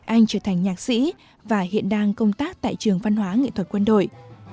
anh trở thành nhạc sĩ và hiện đang công tác tại trường văn hóa nghệ thuật quân đội